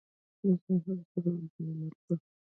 د ژوند هره شېبه یو غنیمت ده.